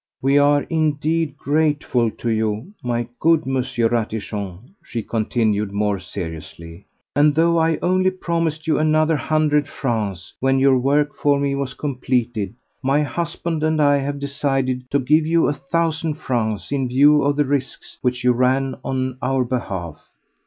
We are indeed grateful to you, my good M. Ratichon," she continued more seriously, "and though I only promised you another hundred francs when your work for me was completed, my husband and I have decided to give you a thousand francs in view of the risks which you ran on our behalf."